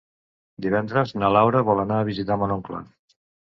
Divendres na Laura vol anar a visitar mon oncle.